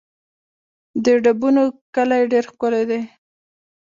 د ډبونو کلی ډېر ښکلی دی